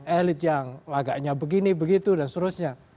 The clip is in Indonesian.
elit yang agaknya begini begitu dan seterusnya